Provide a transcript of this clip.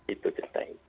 itu terserah itu